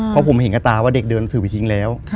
เพราะผมเห็นกับตาว่าเด็กเดินถือไปทิ้งแล้ว